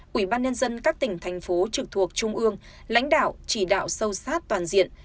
quỹ ban nhân dân các tỉnh thành phố trực thuộc trung ương lãnh đạo chỉ đạo sâu sát toàn diện